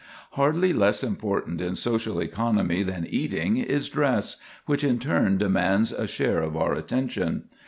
Hardly less important in social economy than eating is dress, which in turn demands a share of our attention.